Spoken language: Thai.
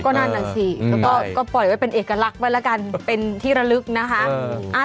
นั่นน่ะสิแล้วก็ปล่อยไว้เป็นเอกลักษณ์ไว้แล้วกันเป็นที่ระลึกนะคะ